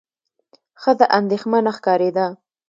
ښځه اندېښمنه ښکارېده.